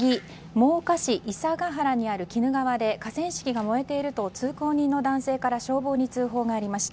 真岡市砂ケ原にある鬼怒川で河川敷が燃えていると通行人の男性から消防に通報がありました。